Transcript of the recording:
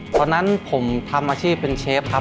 ตอนนั้นผมทำอาชีพเป็นเชฟครับ